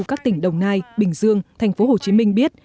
các tỉnh đồng nai bình dương thành phố hồ chí minh biết